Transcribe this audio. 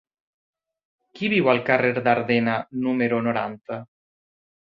Qui viu al carrer d'Ardena número noranta?